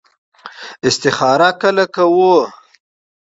استخاره کله کوو؟